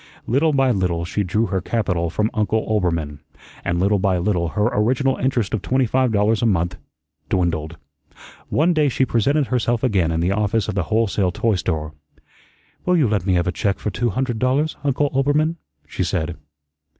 Little by little she drew her capital from Uncle Oelbermann, and little by little her original interest of twenty five dollars a month dwindled. One day she presented herself again in the office of the whole sale toy store. "Will you let me have a check for two hundred dollars, Uncle Oelbermann?" she said.